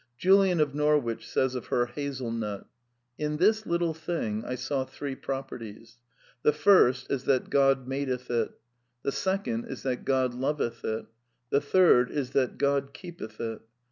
Julian of Norwich says of her hazel nut : "In this little thing I saw three properties. The first is that God madeth it; the second is that God loveth it; the third is that God keepeth it.